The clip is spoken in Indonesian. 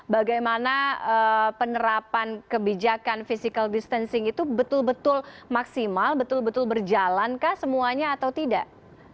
bagaimana penerapan kebijakan physical distancing itu betul betul maksimal betul betul berjalankah semuanya atau tidak